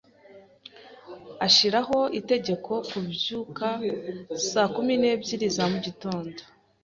Ashiraho itegeko kubyuka saa kumi n'ebyiri za mugitondo.